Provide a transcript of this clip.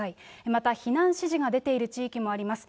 また避難指示が出ている地域もあります。